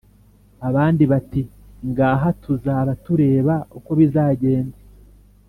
Abandi bati: “Ngaha tuzaba tureba uko bizagenda.”